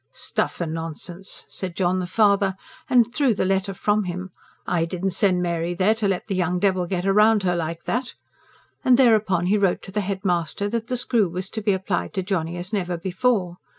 "Stuff and nonsense!" said John the father, and threw the letter from him. "I didn't send Mary there to let the young devil get round her like that." And thereupon he wrote to the Headmaster that the screw was to be applied to Johnny as never before.